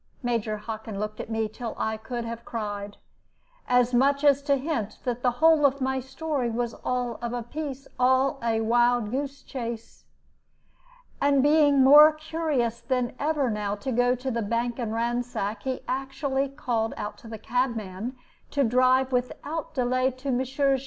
Major Hockin looked at me till I could have cried, as much as to hint that the whole of my story was all of a piece, all a wild goose chase. And being more curious than ever now to go to the bank and ransack, he actually called out to the cabman to drive without delay to Messrs.